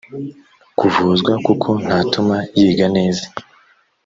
kuvuzwa kuko ntatuma yiga neza